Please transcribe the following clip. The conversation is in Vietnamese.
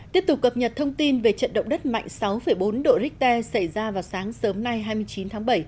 tiếp tục cập nhật thông tin về trận động đất mạnh sáu bốn độ richter xảy ra vào sáng sớm nay hai mươi chín tháng bảy